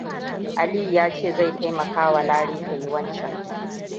Aliyuaa ya ce zai taimakawa Lare ta yi wancan.